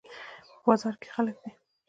په بازار کې خلک دي